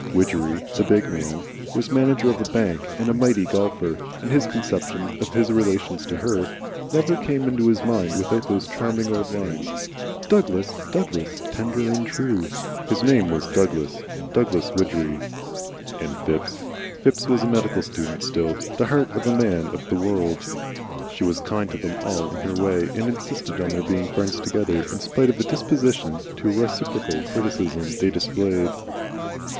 Widgery, the big man, was manager of a bank and a mighty golfer, and his conception of his relations to her never came into his mind without those charming oldlines, "Douglas, Douglas, tender and true," falling hard upon its heels. His name was Douglas Douglas Widgery. And Phipps, Phipps was a medical student still, and he felt that he laid his heart at her feet, the heart of a man of the world. She was kind to them all in her way, and insisted on their being friends together, in spite of a disposition to reciprocal criticism they displayed.